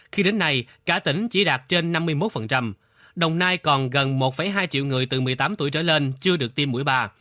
khi đến nay cả tỉnh chỉ đạt trên năm mươi một đồng nai còn gần một hai triệu người từ một mươi tám tuổi trở lên chưa được tiêm mũi ba